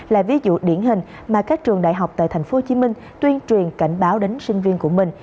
là ví dụ điển hình mà các trường đại học tại tp hcm tuyên truyền cảnh báo đến sinh viên của mình